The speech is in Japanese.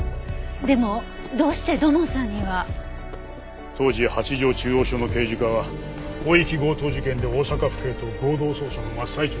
でもどうして土門さんには？当時八条中央署の刑事課は広域強盗事件で大阪府警と合同捜査の真っ最中だったはずだ。